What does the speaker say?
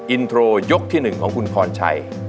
อินโทรยกที่หนึ่งของคุณพรศัย